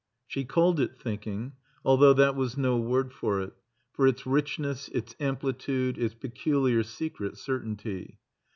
She called it thinking, although that was no word for it, for its richness, its amplitude, its peculiar secret certainty.